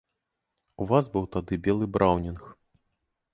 У вас быў тады белы браўнінг.